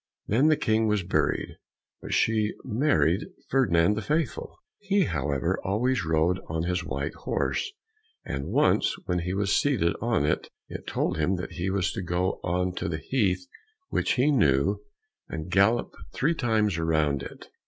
Then the King was buried, but she married Ferdinand the Faithful. He, however, always rode on his white horse, and once when he was seated on it, it told him that he was to go on to the heath which he knew, and gallop three times round it.